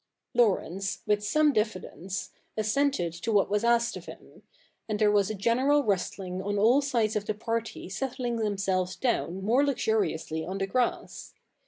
Laurence, with some diffidence, assented to what was asked of him ; and there was a general rustling on all sides of the party settling themselves down more luxuriously on the grass.